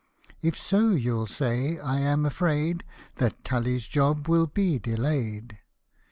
If so, you'll say, I am afraid That Tully's job will be delay'd.